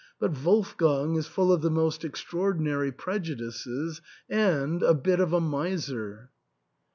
But Wolfgang is full of the most extra ordinary prejudices, and — a bit of a miser."